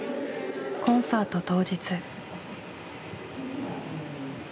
コンサート当日。